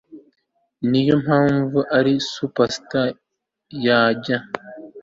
niyo mpamvu ari superstar yanjye